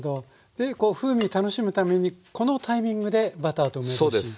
でこう風味楽しむためにこのタイミングでバターと梅干し入れる。